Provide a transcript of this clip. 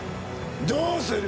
どうする？